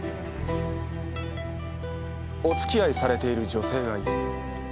おつきあいされている女性がいる。